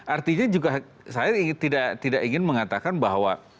artinya juga saya tidak ingin mengatakan bahwa